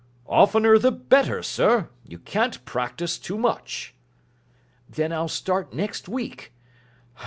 "Oftener the better, sir. You can't practise too much." "Then I'll start next week.